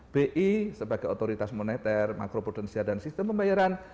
bi sebagai otoritas moneter makro prudensial dan sistem pembayaran